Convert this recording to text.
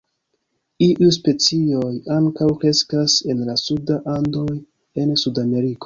Iuj specioj ankaŭ kreskas en la suda Andoj en Sudameriko.